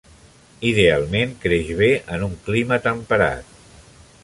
Idealment, creix bé en un clima temperat.